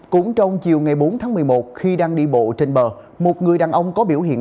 cũng trong chiều ngày bốn tháng một mươi một khi đang đi bộ trên bờ một người đàn ông có biểu hiện